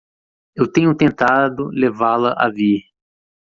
Eu tenho tentado levá-la a vir.